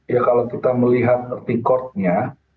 ya kalau kita melihat arti kodnya